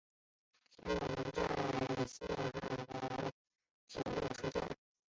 田浦站横须贺线的铁路车站。